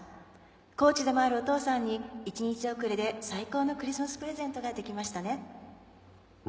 コーチでもあるお父さんに１日遅れで最高のクリスマスプレゼントができましたね。